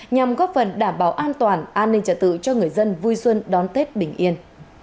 nhằm góp phần đảm bảo an toàn an ninh trả tự cho người dân vui xuân đón tết bình yên